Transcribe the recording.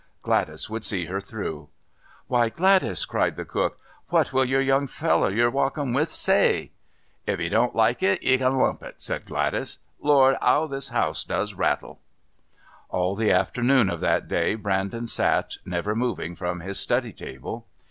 Gladys would see her through "Why, Gladys," cried Cook, "what will your young feller you're walkin' with say?" "If 'e don't like it 'e can lump it," said Gladys. "Lord, 'ow this house does rattle!" All the afternoon of that day Brandon sat, never moving from his study table.